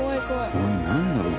これなんだろう？